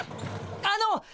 あの！